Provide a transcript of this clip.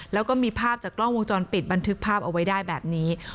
แล้วก็มีภาพจากกล้องวงจรปิดบันทึกภาพเอาไว้ได้แบบนี้